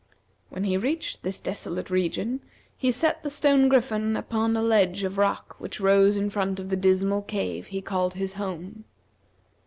When he reached this desolate region, he set the stone Griffin upon a ledge of a rock which rose in front of the dismal cave he called his home.